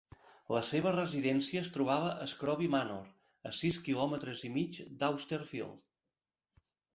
La seva residència es trobava a Scrooby Manor, a sis quilòmetres i mig d"Austerfield.